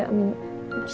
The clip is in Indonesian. situasi nanti gimana